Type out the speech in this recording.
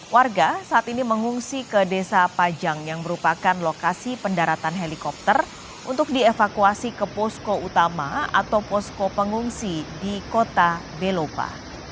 warga saat ini mengungsi ke desa pajang yang merupakan lokasi pendaratan helikopter untuk dievakuasi ke posko utama atau posko pengungsi di kota belopa